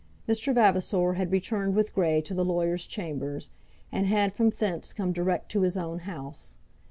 Mr. Vavasor had returned with Grey to the lawyer's chambers, and had from thence come direct to his own house.